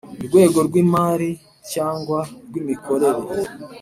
rwego rw imari cyangwa rw imikorere